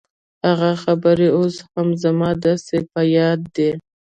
هغه خبرې اوس هم زما داسې په ياد دي.